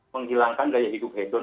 menghilangkan gaya hidup hedon